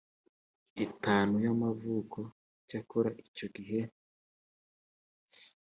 itanu y amavuko icyakora icyo gihe